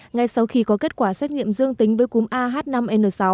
ngay sau khi có kết quả xét nghiệm dương tính với cúm ah năm n sáu